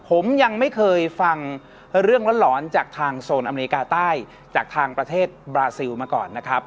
ผมยังไม่เคยฟังเรื่องหลอนจากทางโซนอเมริกาใต้จากทางประเทศบราซิลมาก่อนนะครับ